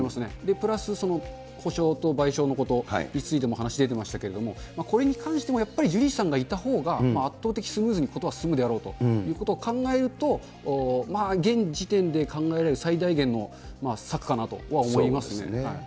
プラス、その補償と賠償のことについてもお話出てましたけれども、これに関してもやっぱり、ジュリーさんがいたほうが、圧倒的スムーズに事は進むであろうということを考えると、現時点で考えられる、最大限の策かなとそうですね。